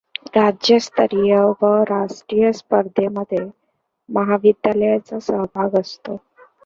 राज्यस्तरीय व राष्ट्रीय स्पर्धेमधे महविद्यालयाचा सहभाग असतो.